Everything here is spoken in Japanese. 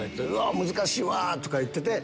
「難しいわ！」とか言ってて。